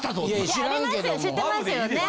知ってますよね？